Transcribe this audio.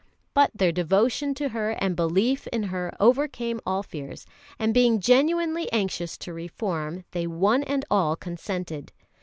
But their devotion to her and belief in her overcame all fears; and being genuinely anxious to reform, they one and all consented.